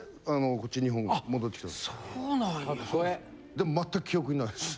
でもまったく記憶にないです。